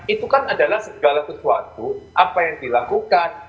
itu kan adalah segala sesuatu apa yang dilakukan